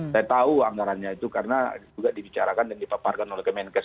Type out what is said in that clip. saya tahu anggarannya itu karena juga dibicarakan dan dipaparkan oleh kemenkes